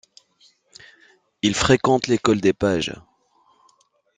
Il fréquente l'école des pages.